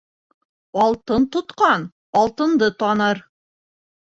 Алтын тотҡан алтынды таныр